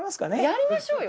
やりましょうよ！